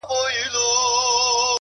بریا له تمرین سره وده کوي